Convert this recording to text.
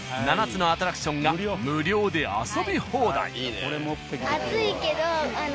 ７つのアトラクションが無料で遊び放題。